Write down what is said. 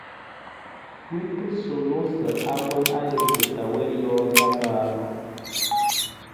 Wonta suulung sa a wan ajuku taa wii jawang ka paa.